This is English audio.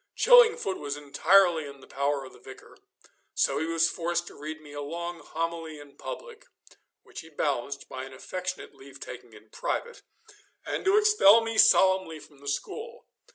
Chillingfoot was entirely in the power of the Vicar, so he was forced to read me a long homily in public which he balanced by an affectionate leave taking in private and to expel me solemnly from the school.